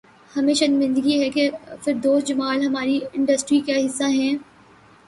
ہمیں شرمندگی ہے کہ فردوس جمال ہماری انڈسٹری کا حصہ ہیں